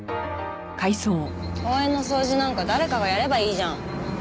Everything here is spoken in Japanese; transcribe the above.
公園の掃除なんか誰かがやればいいじゃん。